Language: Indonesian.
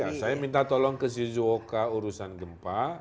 ya saya minta tolong ke shizuoka urusan gempa